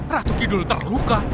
ratu kidul terluka